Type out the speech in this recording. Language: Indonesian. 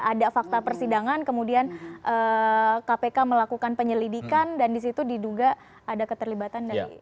ada fakta persidangan kemudian kpk melakukan penyelidikan dan disitu diduga ada keterlibatan dari